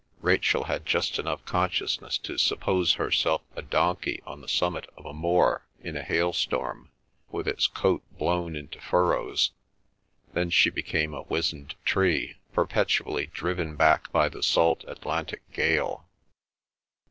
Rachel had just enough consciousness to suppose herself a donkey on the summit of a moor in a hail storm, with its coat blown into furrows; then she became a wizened tree, perpetually driven back by the salt Atlantic gale.